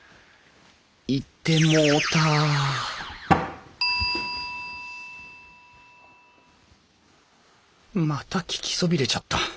行ってもうたまた聞きそびれちゃった。